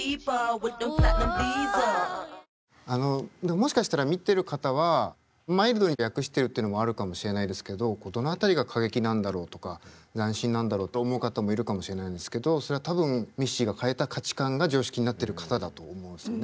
もしかしたら見てる方はマイルドに訳してるってのもあるかもしれないですけどこうどの辺りが過激なんだろうとか斬新なんだろうと思う方もいるかもしれないですけどそれは多分ミッシーが変えた価値観が常識になってるからだと思うんですよね。